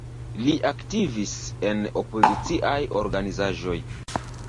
Li aktivis en opoziciaj organizaĵoj.